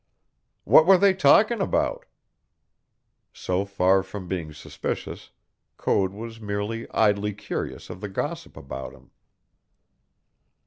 "What were they talking about?" So far from being suspicious, Code was merely idly curious of the gossip about him.